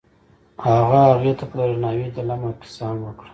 هغه هغې ته په درناوي د لمحه کیسه هم وکړه.